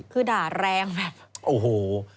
คือด่าแรงแบบโอ้โห